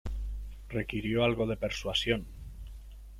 Requirió algo de persuasión.